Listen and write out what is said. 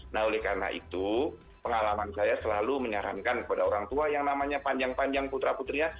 nah oleh karena itu pengalaman saya selalu menyarankan kepada orang tua yang namanya panjang panjang putra putrinya